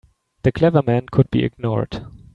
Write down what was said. The clever men could be ignored.